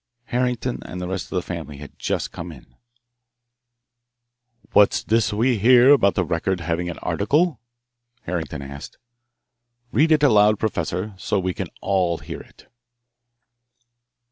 Harrington and the rest of the family had just come in. "What's this we hear about the Record having an article?" Harrington asked. "Read it aloud, Professor, so we can all hear it."